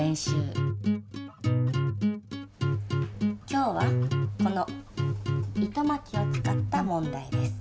今日はこの糸まきを使った問題です。